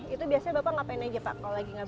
itu biasanya bapak ngelakuin